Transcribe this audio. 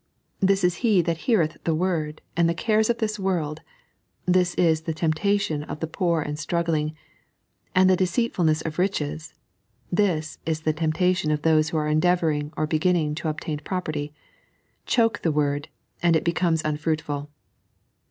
" This is he that heareth the word, and the carea of this world (this is the temptation of the poor and strugglitig), and the deceitfulneee of riches (this is the temptation of those who are endeavouring or beginning to obtain property), choke the word, and it becometh unfruitful."